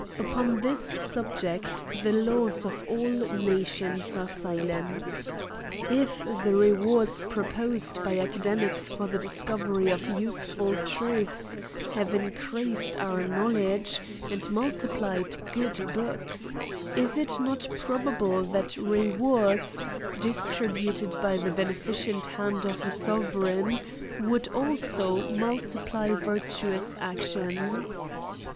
Upon this subject the laws of all nations are silent. If the rewards proposed by academies for the discovery of useful truths have increased out knowledge, and multiplied good books, is it not probable, that rewards, distribu ted by the beneficent hand of a sovereign, would also multiply virtuous actions.